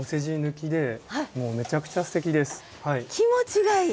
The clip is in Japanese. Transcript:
気持ちがいい。